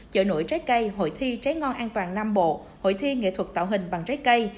chợ nổi trái cây hội thi trái ngon an toàn nam bộ hội thi nghệ thuật tạo hình bằng trái cây